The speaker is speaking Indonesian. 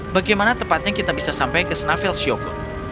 bagaimana tepatnya kita bisa sampai ke snavel syokul